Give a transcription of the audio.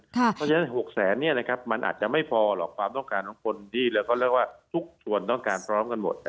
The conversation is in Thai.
เพราะฉะนั้น๖แสนมันอาจจะไม่พอหรอกความต้องการของคนที่เราก็เรียกว่าทุกส่วนต้องการพร้อมกันหมด